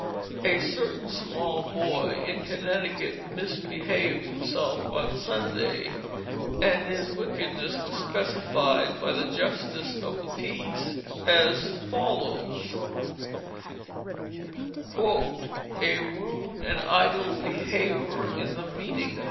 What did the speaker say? A certain small boy in Connecticut misbehaved himself on Sunday, and his wickedness was specified by the justice of peace as follows: "A Rude and Idel Behaver in the meeting hous.